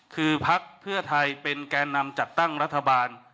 คือพักเพื่อไทยเป็นแก่นำจัดตั้งรัฐบาล